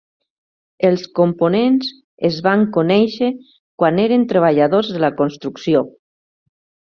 Els components es van conèixer quan eren treballadors de la construcció.